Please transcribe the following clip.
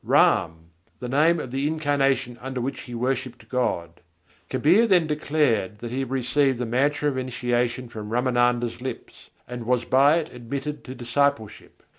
Ram!" the name of the incarnation under which he worshipped God. Kabîr then declared that he had received the mantra of initiation from Râmânanda's lips, and was by it admitted to discipleship.